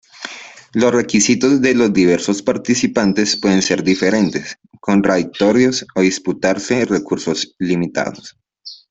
Los requisitos de los diversos participantes pueden ser diferentes, contradictorios o disputarse recursos limitados.